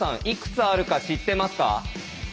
いくつあるか知ってますか？